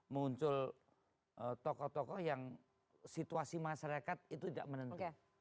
muncul tokoh tokoh yang situasi masyarakat itu tidak menentu